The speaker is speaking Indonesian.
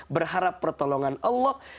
berharap pertolongan allah